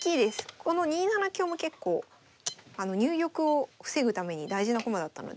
この２七香も結構入玉を防ぐために大事な駒だったので。